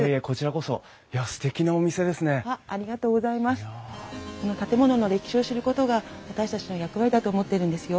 この建物の歴史を知ることが私たちの役割だと思ってるんですよ。